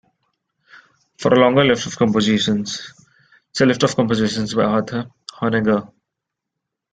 For a longer list of compositions, see List of compositions by Arthur Honegger.